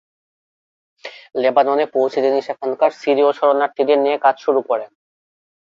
লেবাননে পৌঁছে তিনি সেখানকার সিরীয় শরণার্থীদের নিয়ে কাজ শুরু করেন।